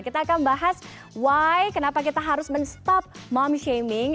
kita akan bahas why kenapa kita harus men stop mom shaming